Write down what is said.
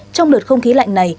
trong lượt không khí lạnh này